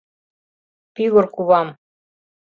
Пӱгыр кувам.